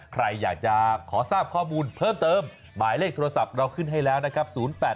ใครอยากจะขอทราบข้อมูลเพิ่มเติมหมายเลขโทรศัพท์เราขึ้นให้แล้วนะครับ